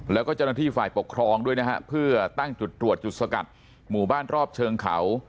แล้วก็เจ้าหน้าที่ฝ่ายปกครองด้วยนะฮะเพื่อตั้งจุดตรวจจุดสกัดหมู่บ้านรอบเชิงเขา